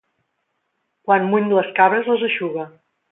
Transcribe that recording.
Quan muny les cabres les eixuga.